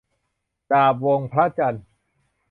ดาบวงพระจันทร์